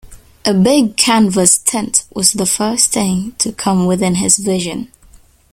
A big canvas tent was the first thing to come within his vision.